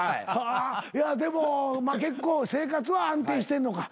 でも結構生活は安定してんのか。